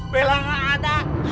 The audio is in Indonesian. bella gak ada